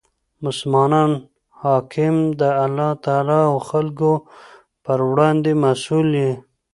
مسلمان حاکم د الله تعالی او خلکو په وړاندي مسئول يي.